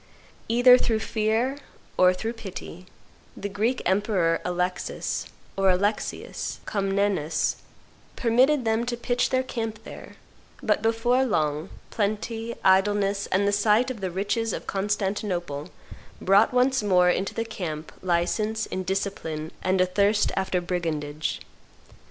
Either through fear or through pity, the Greek emperor, Alexis (or Alexius) Comnenus, permitted them to pitch their camp there; "but before long, plenty, idleness, and the sight of the riches of Constantinople brought once more into the camp license, indiscipline, and a thirst after brigandage.